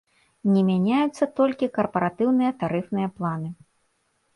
Не мяняюцца толькі карпаратыўныя тарыфныя планы.